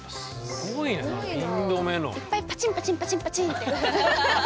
いっぱいパチンパチンパチンパチンって音して。